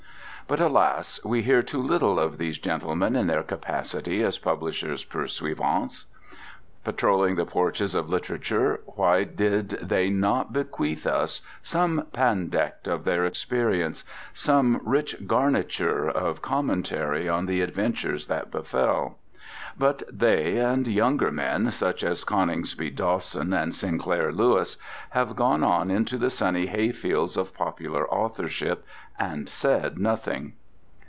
But alas, we hear too little of these gentlemen in their capacity as publishers' pursuivants. Patrolling the porches of literature, why did they not bequeath us some pandect of their experience, some rich garniture of commentary on the adventures that befell? But they, and younger men such as Coningsby Dawson and Sinclair Lewis, have gone on into the sunny hayfields of popular authorship and said nothing.